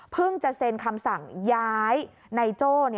เพิ่งจะเซนคำสั่งย้ายในโจ้